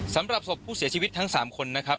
สำหรับศพผู้เสียชีวิตทั้ง๓คนนะครับ